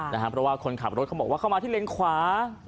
เพราะว่าคนขับรถเขาบอกว่าเข้ามาที่เลนขวา